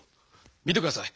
見てください